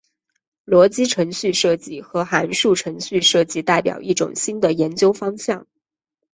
逻辑程序设计和函数程序设计代表一种新的研究方向。